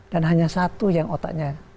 dan hanya satu yang otaknya